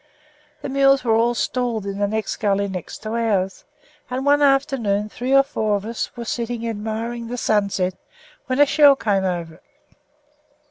The mules were all stalled in the next gully to ours, and one afternoon three or four of us were sitting admiring the sunset when a shell came over.